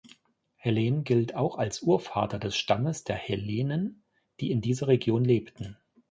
Hellen gilt auch als Urvater des Stammes der Hellenen, die in dieser Region lebten.